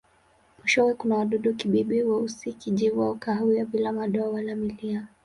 Mwishowe kuna wadudu-kibibi weusi, kijivu au kahawia bila madoa wala milia.